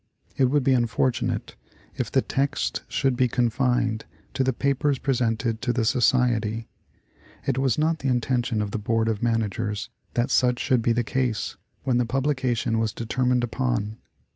It would be unfortunate if the text should be confined to the papers presented to the Society. It was not the intention of the Board of Managers that such should be the case, when the publication was determined upon.